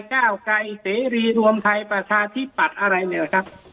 ก้าวไกรเสรีรวมไทยประชาธิปัตย์อะไรเนี่ยนะครับ